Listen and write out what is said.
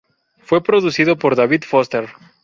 Fue producido por David Foster.